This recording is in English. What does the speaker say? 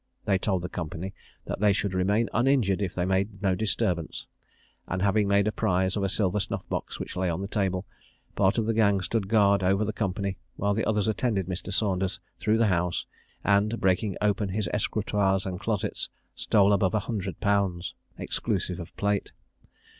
They told the company that they should remain uninjured if they made no disturbance, and having made prize of a silver snuff box which lay on the table, part of the gang stood guard over the company, while the others attended Mr. Saunders through the house, and, breaking open his escrutoires and closets, stole above a hundred pounds, exclusive of plate.